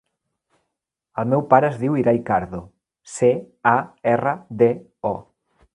El meu pare es diu Irai Cardo: ce, a, erra, de, o.